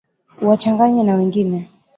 uwachanganye na wengine